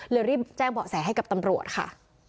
รีบแจ้งเบาะแสให้กับตำรวจค่ะ